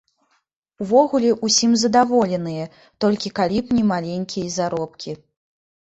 Увогуле ўсім задаволеныя, толькі калі б не маленькія заробкі.